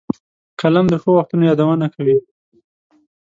قلم د ښو وختونو یادونه کوي